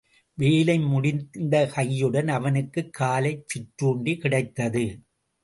வேலை முடிந்த கையுடன், அவனுக்குக் காலைச் சிற்றுண்டி கிடைத்தது.